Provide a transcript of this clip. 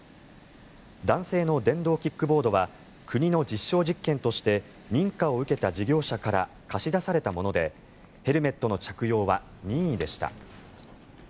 男性の電動キックボードは国の実証実験として認可を受けた事業者から貸し出されたものでヘルメットの着用は任意でした。